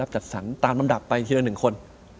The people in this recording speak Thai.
จัดสรรตามลำดับไปทีละ๑คน